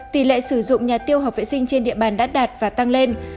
tỷ lệ sử dụng nhà tiêu hợp vệ sinh trên địa bàn đắt đạt và tăng lên